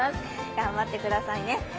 頑張ってくださいね。